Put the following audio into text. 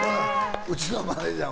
うちのマネジャー